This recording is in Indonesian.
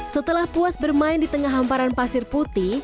setelah puas bermain di tengah hamparan pasir putih